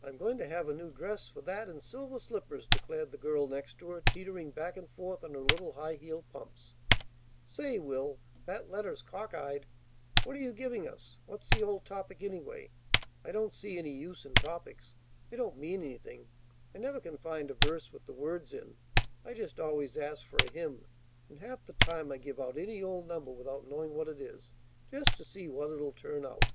"I'm going to have a new dress for that and silver slippers," declared the girl next her, teetering back and forth on her little high heeled pumps. "Say, Will, that letter's cock eyed. What are you giving us? What's the old topic, anyway? I don't see any use in topics. They don't mean anything. I never can find a verse with the words in. I just always ask for a hymn, and half the time I give out any old number without knowing what it is, just to see what it'll turn out."